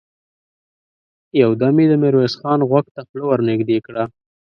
يودم يې د ميرويس خان غوږ ته خوله ور نږدې کړه!